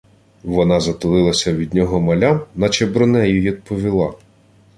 Вона затулилася від нього малям, наче боронею, й одповіла: